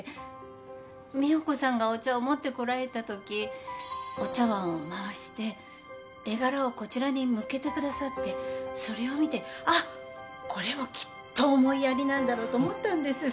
美保子さんがお茶を持ってこられたときお茶わんを回して絵柄をこちらに向けてくださってそれを見てあっこれもきっと思いやりなんだろうと思ったんですそれで。